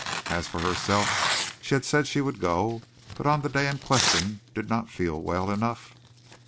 As for herself she had said she would go, but on the day in question did not feel well enough.